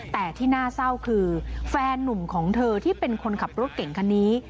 แต่ที่น่าเศร้าคือแฟนนุ่มของเธอที่เป็นคนขับรถเก่งคันนี้